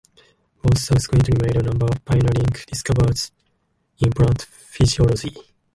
Bose subsequently made a number of pioneering discoveries in plant physiology.